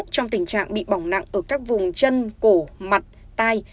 trong tình trạng bị bỏng nặng ở các vùng chân cổ mặt tai